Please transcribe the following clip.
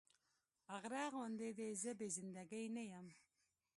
غره غوندې دې زه بې زنده ګي نه يم